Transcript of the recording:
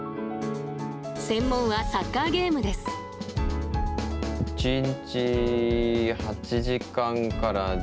専門はサッカーゲームです。